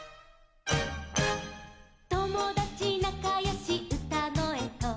「ともだちなかよしうたごえと」